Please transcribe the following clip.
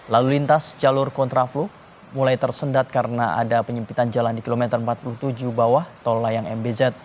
lalu lintas jalur kontraflow mulai tersendat karena ada penyempitan jalan di kilometer empat puluh tujuh bawah tol layang mbz